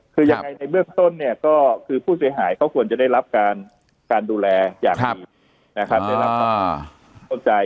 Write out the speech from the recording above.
คือยังไงในเบื้องต้นเนี่ยก็คือผู้เสียหายเขาควรจะได้รับการดูแลอย่างดี